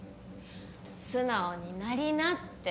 素直になりなって。